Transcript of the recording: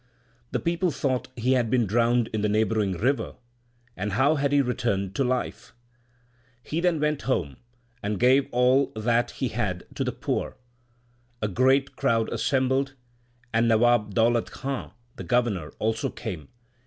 The people thought he had been drowned in the neighbouring river ; and how had he returned to life ? He then went home, and gave all that he had to the poor. A great crowd assembled, and Nawab Daulat Khan, the Governor, also came.